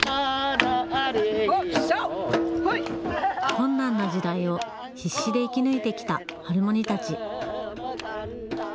困難な時代を必死で生き抜いてきたハルモニたち。